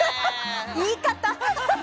言い方！